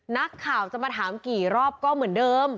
นักข่าวจะมาถามกี่รอบก็เหมือนเดิม